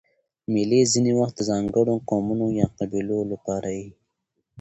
مېلې ځیني وخت د ځانګړو قومونو یا قبیلو له پاره يي.